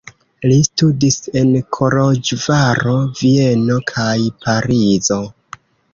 Li studis en Koloĵvaro, Vieno kaj Parizo.